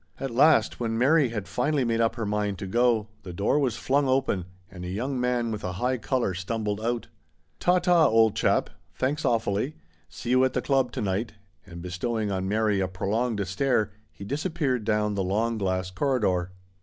At last, when Mary had finally made up her mind to go, the door was flung open and a young man with a high colour stumbled out. " Ta ta, old chap. Thanks, awfully. See you at the club to night," and, bestowing on Mary a prolonged stare, he disappeared down the long glass corridor.